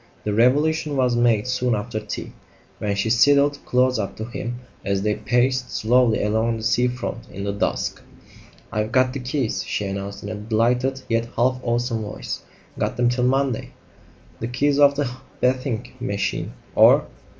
The revelation was made soon after tea, when she sidled close up to him as they paced slowly along the sea front in the dusk. "I've got the keys," she announced in a delighted, yet half awesome voice. "Got them till Monday!" "The keys of the bathing machine, or